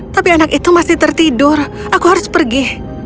tapi anak itu masih tertidur aku harus pergi